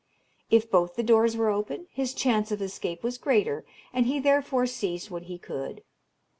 If both the doors were open, his chance of escape was greater, and he therefore seized what he could.